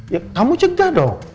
ya kamu cegah dong